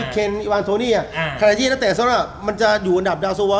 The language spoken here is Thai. เคนอิวานโทนี่ฮาร์แรมมันจะอยู่อันดับดาวสันโว